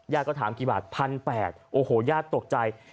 ก็ถามกี่บาท๑๘๐๐โอ้โหญาติตกใจ